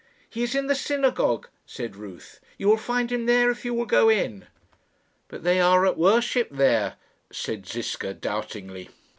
"He is in the synagogue," said Ruth. "You will find him there if you will go in." "But they are at worship there," said Ziska, doubtingly.